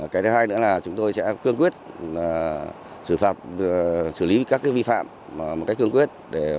cái thứ hai nữa là chúng tôi sẽ cương quyết xử lý các vi phạm một cách cương quyết